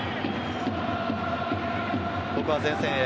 ここは前線へ。